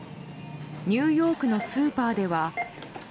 ニューヨークのスーパーでは。